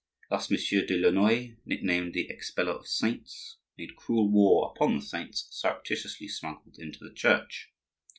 Thus Monsieur de Launoy, nicknamed the "Expeller of Saints," made cruel war upon the saints surreptitiously smuggled into the Church.